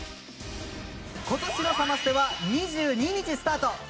今年のサマステは２２日スタート。